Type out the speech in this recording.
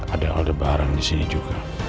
ada ada barang disini juga